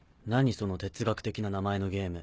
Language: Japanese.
その哲学的な名前のゲーム。